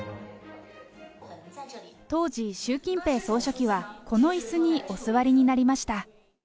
当時、習近平総書記はこのいすにお座りになりました。